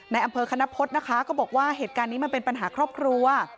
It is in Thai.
ในอำเภอคณพฤษนะคะก็บอกว่าเหตุการณ์นี้มันเป็นปัญหาครอบครัว